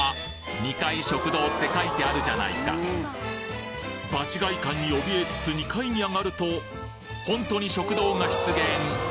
「２Ｆ食堂」って書いてあるじゃないか場違い感に怯えつつ２階に上がるとホントに食堂が出現